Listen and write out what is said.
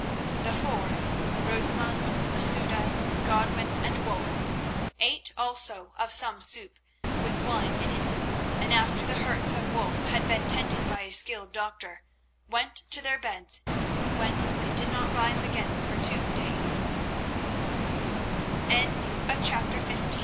The four—Rosamund, Masouda, Godwin, and Wulf—ate also of some soup with wine in it, and after the hurts of Wulf had been tended by a skilled doctor, went to their beds, whence they did not rise again for two day